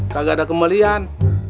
kagak ada kembalian